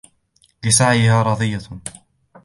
لِسَعْيِهَا رَاضِيَةٌ